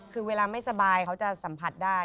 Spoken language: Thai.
คือเวลาไม่สบายเขาจะสัมผัสได้